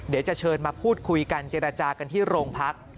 เดี๋ยวจะเชิญมาพูดคุยกันเจรจากันที่โรงพัก